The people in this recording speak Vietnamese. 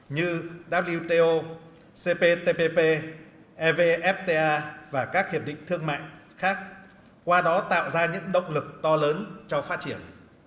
như wto cptpp evfta và các hiệp định thương mại khác qua đó tạo ra những động lực to lớn cho phát triển